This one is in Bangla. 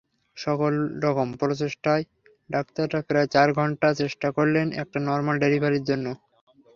সকল রকম প্রচেষ্টায় ডাক্তাররা প্রায় চার ঘণ্টা চেষ্টা করলেন একটা নরমাল ডেলিভারির জন্য।